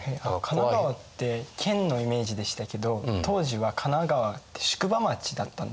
神奈川って「県」のイメージでしたけど当時は神奈川って宿場町だったんですね。